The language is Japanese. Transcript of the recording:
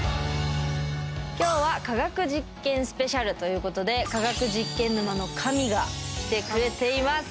今日は「科学実験スペシャル」ということで科学実験沼の神が来てくれています。